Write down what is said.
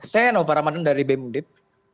saya novaramadhan dari bung undip